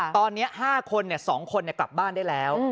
ตอนนี้๕คน๒คนกลับบ้านได้แล้ว